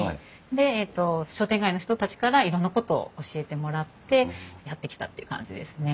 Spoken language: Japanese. で商店街の人たちからいろんなことを教えてもらってやって来たっていう感じですね。